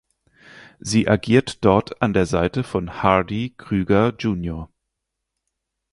Sie agiert dort an der Seite von Hardy Krüger junior.